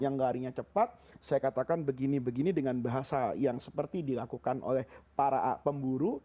yang larinya cepat saya katakan begini begini dengan bahasa yang seperti dilakukan oleh para pemburu